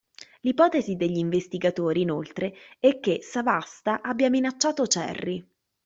L'ipotesi degli investigatori, inoltre, è che Savasta abbia minacciato Cerri.